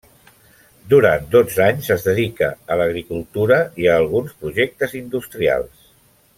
Durant dotze anys es dedica a l'agricultura i a alguns projectes industrials.